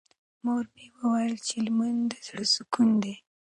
مور مې وویل چې لمونځ د زړه سکون دی.